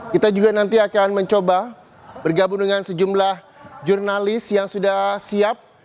kita juga nanti akan mencoba bergabung dengan sejumlah jurnalis yang sudah siap